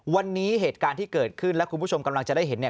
วันนี้เหตุการณ์ที่เกิดขึ้นและคุณผู้ชมกำลังจะได้เห็นเนี่ย